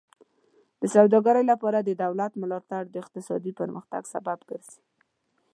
د سوداګرۍ لپاره د دولت ملاتړ د اقتصادي پرمختګ سبب ګرځي.